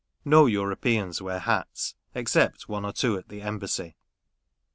No Europeans wear hats, except one or two at the Embassy.